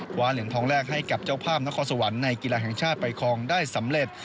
คว้าเหรียญทองแรกให้กับเจ้าภาพนครสวรรค์ในกีฬาแห่งชาติไปคลองได้สำเร็จ